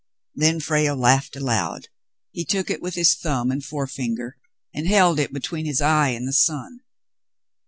Then Frale laughed aloud. He took it with his thumb and forefinger and held it between his eye and the sun.